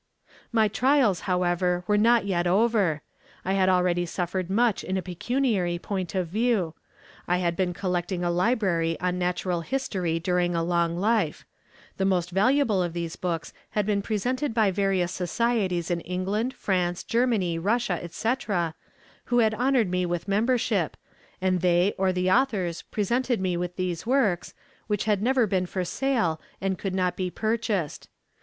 "My trials, however, were not yet over, I had already suffered much in a pecuniary point of view. I had been collecting a library on natural history during a long life. The most valuable of these books had been presented by various societies in England, France, Germany, Russia, etc., who had honored me with membership, and they or the authors presented me with these works, which had never been for sale, and could not be purchased.